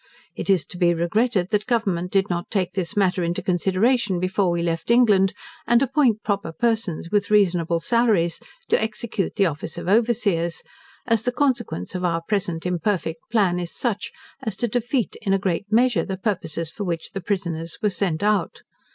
It is to be regretted that Government did not take this matter into consideration before we left England, and appoint proper persons with reasonable salaries to execute the office of overseers; as the consequence of our present imperfect plan is such, as to defeat in a great measure the purposes for which the prisoners were sent out.